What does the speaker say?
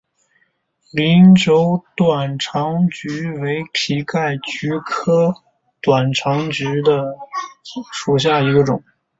鳞轴短肠蕨为蹄盖蕨科短肠蕨属下的一个种。